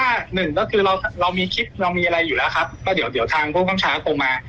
เพราะว่าหนึ่งก็คือเรามีคลิปเรามีอะไรอยู่แล้วครับก็เดี๋ยวเดี๋ยวทางพวกกำช้าโทรมา